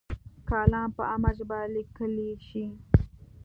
کالم په عامه ژبه لیکلی شي.